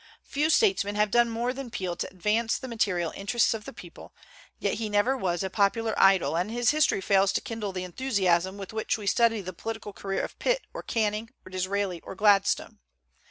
Few statesmen have done more than Peel to advance the material interests of the people; yet he never was a popular idol, and his history fails to kindle the enthusiasm with which we study the political career of Pitt or Canning or Disraeli or Gladstone.